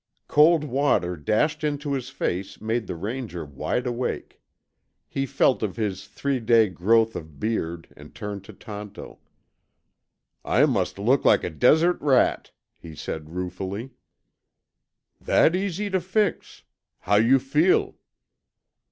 Cold water dashed into his face made the Ranger wide awake. He felt of his three day growth of beard and turned to Tonto. "I must look like a desert rat," he said ruefully. "That easy to fix. How you feel?"